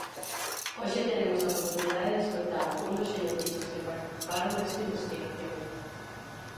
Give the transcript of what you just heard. Hoxe teremos a oportunidade de escoitar un dos xenetistas que participaron nesta investigación.